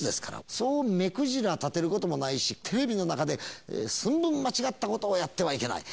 そう目くじら立てることもないし、テレビの中で、寸分間違ったことをやってはいけない。